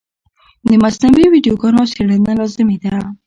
د مصنوعي ویډیوګانو څېړنه لازمي ده.